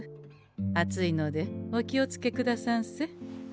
熱いのでお気をつけくださんせ。